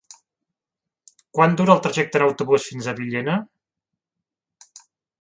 Quant dura el trajecte en autobús fins a Villena?